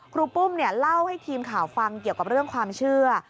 รูปุ้มเล่าให้ทีมข่าวฟังเกี่ยวกับเรื่องความเชื่อ